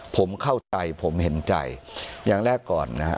ผมเข้าใจผมเห็นใจอย่างแรกก่อนนะฮะ